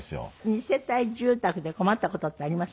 二世帯住宅で困った事ってあります？